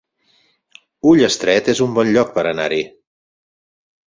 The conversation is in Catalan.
Ullastret es un bon lloc per anar-hi